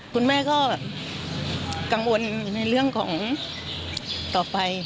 คุณแม่ก็กังวลในเรื่องของต่อไป